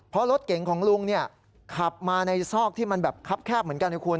เพราะรถเก่งของลุงขับมาในซอกที่มันคับแคบเหมือนกัน